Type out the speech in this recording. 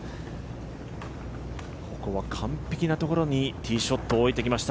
ここは完璧なところにティーショットを置いてきました